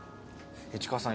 市川さん